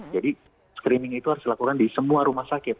jadi screening itu harus dilakukan di semua rumah sakit